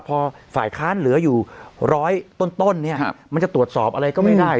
พอฝ่ายค้านเหลืออยู่ร้อยต้นเนี่ยมันจะตรวจสอบอะไรก็ไม่ได้